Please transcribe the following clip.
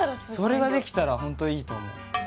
それができたら本当いいと思う。